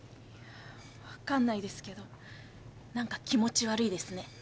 分かんないですけどなんか気持ち悪いですね。